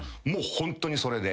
ホントにそれで。